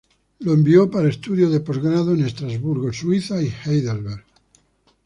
Lo envió para estudios de posgrado en Estrasburgo, Suiza y Heidelberg.